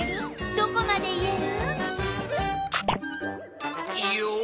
どこまで言える？